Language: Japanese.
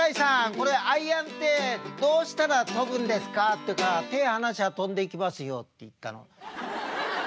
これアイアンってどうしたら飛ぶんですか？」って言うから「手離しゃ飛んでいきますよ」って言ったの。